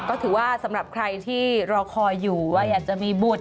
ก็ถือว่าสำหรับใครที่รอคอยอยู่ว่าอยากจะมีบุตร